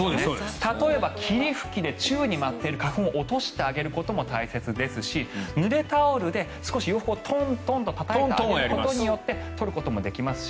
例えば、霧吹きで宙に舞っている花粉を落としてあげることも大切ですしぬれタオルで洋服をトントンとたたいてあげることによって取ることもできますし。